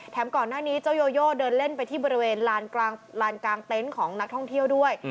ก่อนหน้านี้เจ้าโยโยเดินเล่นไปที่บริเวณลานกลางเต็นต์ของนักท่องเที่ยวด้วย